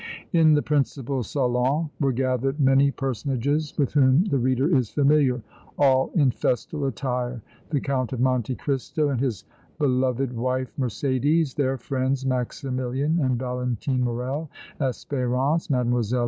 In the principal salon were gathered many personages with whom the reader is familiar, all in festal attire the Count of Monte Cristo and his beloved wife Mercédès, their friends Maximilian and Valentine Morrel, Espérance, Mlle.